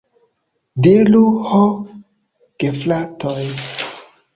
Diru, ho gefratoj!